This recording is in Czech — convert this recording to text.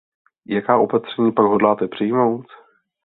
Jaká opatření pak hodláte přijmout?